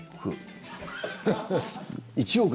１億。